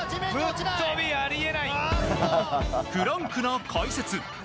フランクな解説。